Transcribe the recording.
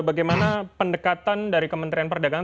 bagaimana pendekatan dari kementerian perdagangan